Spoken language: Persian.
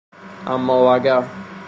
اماو اگر